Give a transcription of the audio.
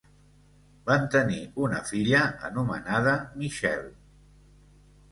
Van tenir una filla anomenada Michelle.